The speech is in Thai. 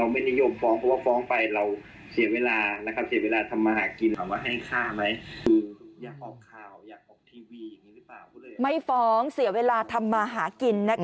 ไม่ฟ้องเสียเวลาทำมาหากินนะคะ